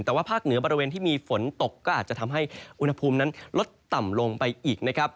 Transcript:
แต่ว่าภาคเหนือบริเวณที่มีฝนตกก็อาจจะทำให้อุณหภูมินั้นลดต่ำลงไปอีกนะครับ